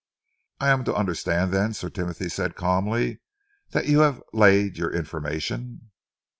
"I am to understand, then," Sir Timothy said calmly, "that you have laid your information?"